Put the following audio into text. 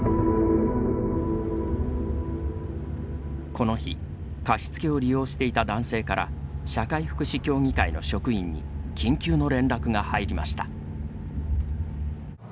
この日貸付を利用していた男性から社会福祉協議会の職員に緊急の連絡が入りました。